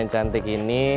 bunga yang cantik ini